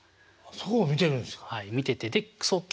そこを見てるんですか。